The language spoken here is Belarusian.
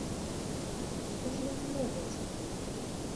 Што ж яны робяць?